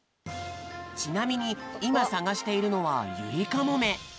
ちなみにいまさがしているのはユリカモメ。